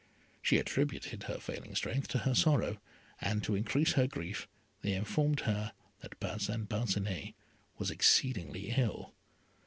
She attributed her failing strength to her sorrow, and, to increase her grief, they informed her that Parcin Parcinet was exceedingly ill.